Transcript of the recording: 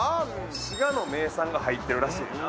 滋賀の名産が入ってるらしいねんな。